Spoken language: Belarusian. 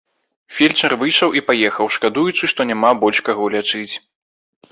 Фельчар выйшаў і паехаў, шкадуючы, што няма больш каго лячыць.